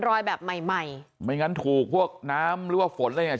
รอยแบบใหม่ใหม่ไม่งั้นถูกพวกน้ำหรือว่าฝนอะไรอย่างเ